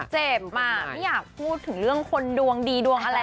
เจ็บอ่ะไม่อยากพูดถึงเรื่องคนดวงดีดวงอะไร